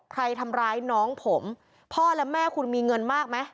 ทำร้ายน้องผมพ่อและแม่คุณมีเงินมากไหม